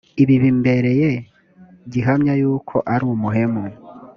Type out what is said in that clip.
ibi bimbereye gihamya yuko ari umuhemu